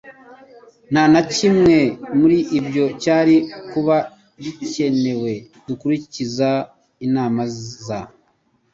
Nta na kimwe muri ibyo cyari kuba gikenewe iyo dukurikiza inama za